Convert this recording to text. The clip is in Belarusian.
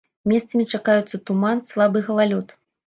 Месцамі чакаюцца туман, слабы галалёд.